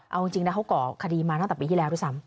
เอาจริงนะเขาก่อคดีมาตั้งแต่ปีที่แล้วด้วยซ้ำ